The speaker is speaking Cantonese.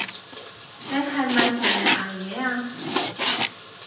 你係咪成日捱夜啊？